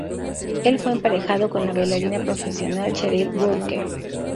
El fue emparejado con la bailarina profesional Cheryl Burke.